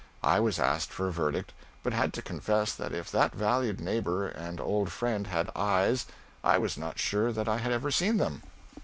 I was asked for a verdict, but had to confess that if that valued neighbor and old friend had eyes I was not sure that I had ever seen them.